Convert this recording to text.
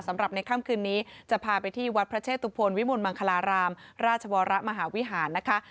ในค่ำคืนนี้จะพาไปที่วัดพระเชตุพลวิมลมังคลารามราชวรมหาวิหารนะคะ